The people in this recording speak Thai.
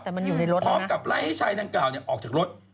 แต่มันอยู่ในรถพร้อมกับไล่ให้ชายดังกล่าวออกจากรถ